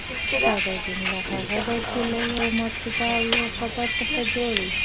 ساده جمله هغه ده، چي له یوه مبتداء او یوه خبر څخه جوړه يي.